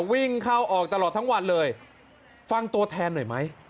วิ่งเข้าออกตลอดทั้งวันเลยฟังตัวแทนหน่อยไหม